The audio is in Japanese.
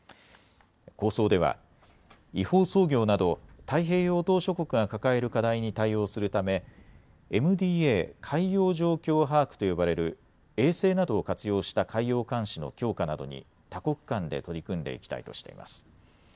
構想では、違法操業など太平洋島しょ国が抱える課題に対応するためＭＤＡ・海洋状況把握と呼ばれる衛星などを活用した海洋監視の強化などに多国間で取り組んでいきたいとしています。